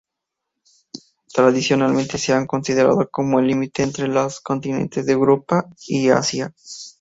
Tradicionalmente se han considerado como el límite entre los continentes de Europa y Asia.